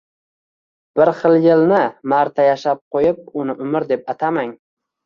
Bir xil yilni marta yashab qo’yib uni umr deb atamang